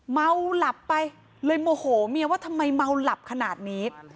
เมาหลับไปเลยโมโหเมียว่าทำไมเมาหลับขนาดนี้